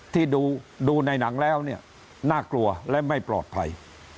ที่ดูในหนังแล้วเนี่ยน่ากลัวและไม่ปลอดภัย